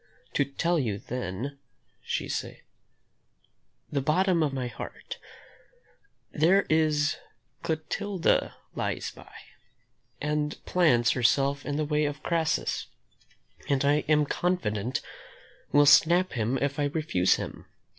"To tell you, then," said she, "the bottom of my heart, there is Clotilda lies by, and plants herself in the way of Crassus, and I am confident will snap him if I refuse him.